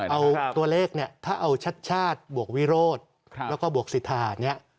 เอาตัวเลขถ้าเอาชาติชาติบวกวิโรธแล้วก็บวกศรีธารณี